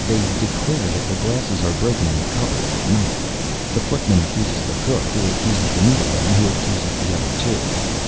They declare that the glasses are broken in the cupboards at night. The footman accuses the cook, who accuses the needlewoman, who accuses the other two.